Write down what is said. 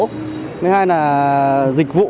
thứ hai là dịch vụ